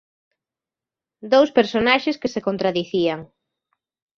Dous personaxes que se contradicían.